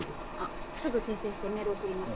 すぐ訂正してメール送ります。